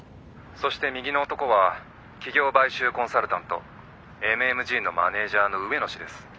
そして右の男は企業買収コンサルタントＭＭＧのマネージャーの上野氏です。